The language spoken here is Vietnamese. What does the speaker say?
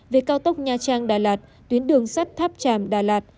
về cao tốc nha trang đà lạt tuyến đường sắt tháp tràm đà lạt